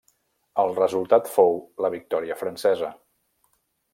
El resultat fou la victòria francesa.